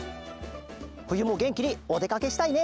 ふゆもげんきにおでかけしたいね。